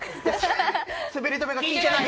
滑り止めが効いてない。